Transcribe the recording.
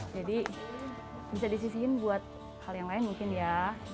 jadi bisa disisikan buat hal yang lain mungkin ya